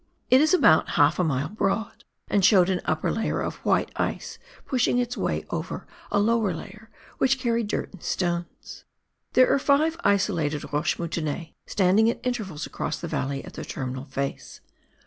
It is about half a mile broad, and showed an upper layer of white ice pushing its way over a lower layer which carried dirt and stones. There are five isolated roches moutonnees standing at intervals across the valley at the terminal face.